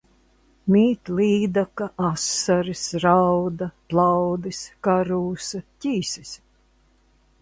Mīt līdaka, asaris, rauda, plaudis, karūsa, ķīsis.